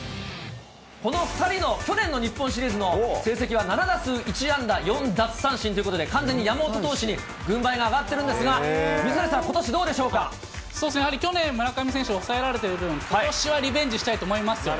この２人の去年の日本シリーズの成績は７打数１安打４奪三振ということで、完全に山本投手に軍配が上がってるんですが、水谷さん、ことしどやはり去年、村上選手、抑えられてる分、ことしはリベンジしたいと思いますよ。